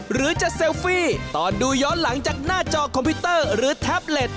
หรือจะเซลฟี่ตอนดูย้อนหลังจากหน้าจอคอมพิวเตอร์หรือแท็บเล็ต